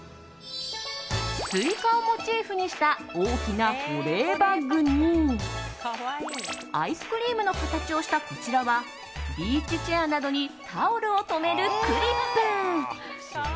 スイカをモチーフにした大きな保冷バッグにアイスクリームの形をしたこちらはビーチチェアなどにタオルを留めるクリップ。